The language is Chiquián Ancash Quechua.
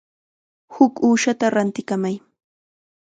Huk uushata rantikamay.